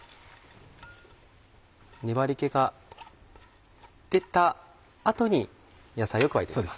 粘り気が出た後に野菜を加えていきます。